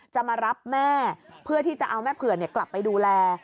จะมารับแม่เพื่อที่จะเอาแม่เผื่อกลับไปดูแล